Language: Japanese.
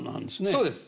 そうです。